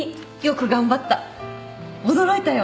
驚いたよ。